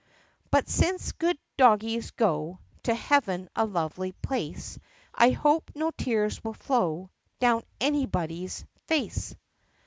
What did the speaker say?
(But since good doggies go To heaven, a lovely place, I hope no tears will flow Down anybody's face.)